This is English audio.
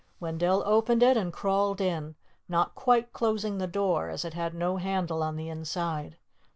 Wendell opened it and crawled in, not quite closing the door, as it had no handle on the inside.